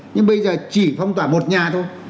nhưng bây giờ chỉ phong tỏa một nhà thôi